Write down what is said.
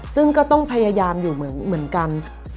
ซึ่งก็ต้องพยายามอยู่เหมือนกัน